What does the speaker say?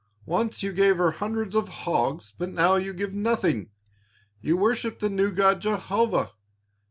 Once you gave her hundreds of hogs, but now you give nothing. You worship the new God Jehovah.